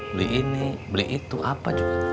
beli ini beli itu apa juga